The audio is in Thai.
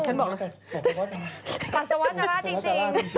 ตัวสวรรสจาระตัวสวรรสจาระจริง